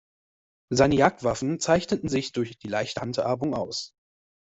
Seine Jagdwaffen zeichneten sich durch die leichte Handhabung aus.